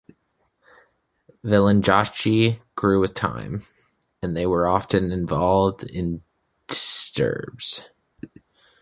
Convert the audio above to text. Vilenjaci grew with time, and they were often involved in disturbs.